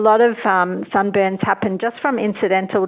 atau mungkin mereka pikir itu agak berlalu